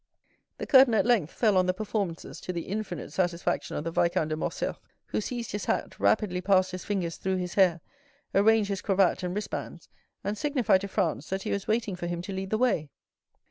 The curtain at length fell on the performances, to the infinite satisfaction of the Viscount of Morcerf, who seized his hat, rapidly passed his fingers through his hair, arranged his cravat and wristbands, and signified to Franz that he was waiting for him to lead the way.